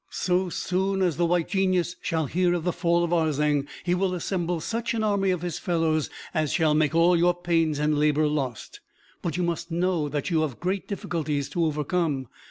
So soon as the White Genius shall hear of the fall of Arzeng, he will assemble such an army of his fellows as shall make all your pains and labor lost. But you must know that you have great difficulties to overcome.